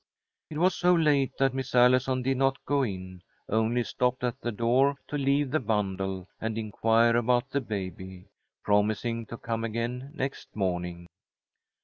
It was so late that Miss Allison did not go in, only stopped at the door to leave the bundle and inquire about the baby, promising to come again next morning.